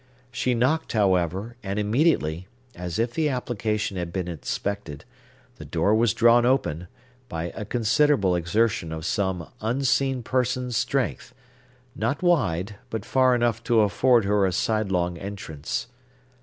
She knocked, however; and immediately, as if the application had been expected, the door was drawn open, by a considerable exertion of some unseen person's strength, not wide, but far enough to afford her a sidelong entrance.